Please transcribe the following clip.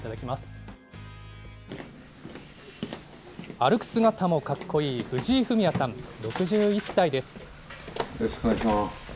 歩く姿も格好いい藤井フミヤさん、６１歳です。